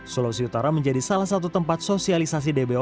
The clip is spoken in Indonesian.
sulawesi utara menjadi salah satu tempat sosialisasi dbon